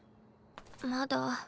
まだ。